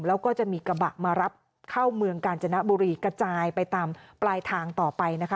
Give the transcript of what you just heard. แล้วก็จะมีกระบะมารับเข้าเมืองกาญจนบุรีกระจายไปตามปลายทางต่อไปนะคะ